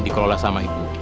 dikelola sama ibu